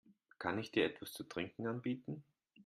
Kann ich dir etwas zu trinken anbieten?